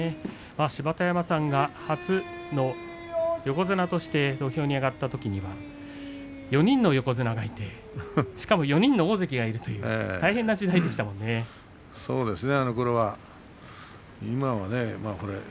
芝田山さんが初の横綱として土俵に上がったときには４人の横綱がいてしかも４人の大関がいるという大変な時代でしたものね。